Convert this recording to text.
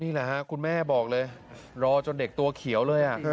นี่แหละฮะคุณแม่บอกเลยรอจนเด็กตัวเขียวเลย